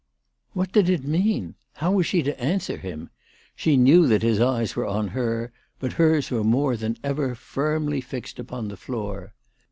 What did it mean ? How was she to answer him ? She knew that his eyes were on her, but hers were more than ever firmly fixed upon the floor.